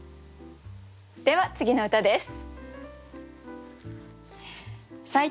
では次の歌です。